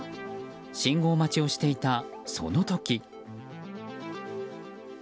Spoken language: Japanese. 信号待ちをしていたその時。